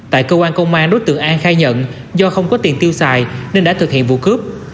tại cơ quan công an đối tượng an khai nhận do không có tiền tiêu xài nên đã thực hiện vụ cướp